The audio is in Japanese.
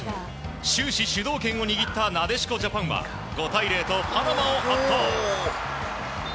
終始、主導権を握ったなでしこジャパンは５対０とパナマを圧倒。